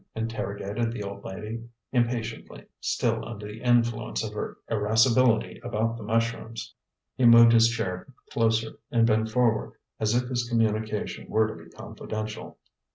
interrogated the old lady, impatiently, still under the influence of her irascibility about the mushrooms. He moved his chair closer, and bent forward, as if his communication were to be confidential.